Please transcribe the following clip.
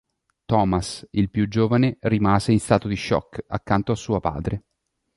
Thomas, il più giovane, rimase in stato di shock accanto a suo padre.